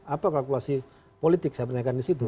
apa kalkulasi politik saya bertanyakan di situ